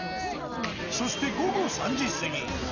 そして午後３時過ぎ。